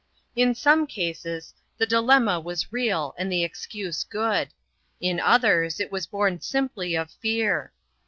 In some cases the dilemma was real and the excuse good. In others it was born 5' 52 INTERRUPTED. simply of fear.